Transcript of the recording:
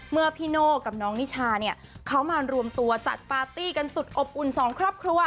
พี่โน่กับน้องนิชาเนี่ยเขามารวมตัวจัดปาร์ตี้กันสุดอบอุ่นสองครอบครัว